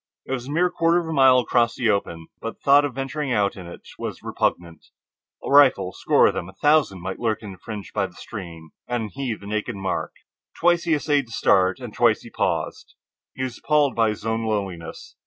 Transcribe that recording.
It was a mere quarter of a mile across that open, but the thought of venturing out in it was repugnant. A rifle, a score of them, a thousand, might lurk in that fringe by the stream. Twice he essayed to start, and twice he paused. He was appalled by his own loneliness.